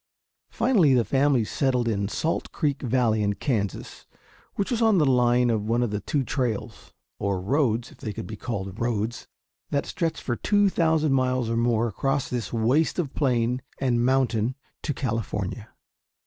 Finally the family settled in Salt Creek Valley in Kansas, which was on the line of one of the two trails, or roads if they could be called roads that stretched for two thousand miles or more across this waste of plain and mountain to California.